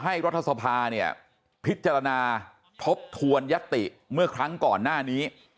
ขอให้รัฐสภาพิจารณาทบทวนยัตติเมื่อครั้งก่อนหน้านี้